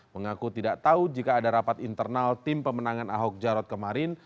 mengaku tidak tahu jika ada rapat internal tim pemenangan ahok jarot kemarin